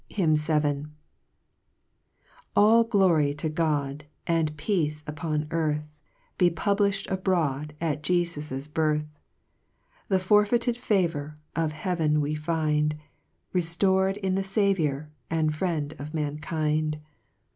HYMN VII. 1 A LL glory to God, And peace upon earth, ,x\ Be publifiYd abroad, At Jefus's birth: The forfeited favour, Of heaven we find, Refior'd in the Saviour, And Friend of mankind.